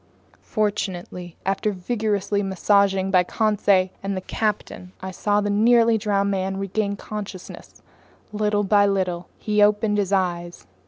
Fortunately, after vigorous massaging by Conseil and the captain, I saw the nearly drowned man regain consciousness little by little. He opened his eyes.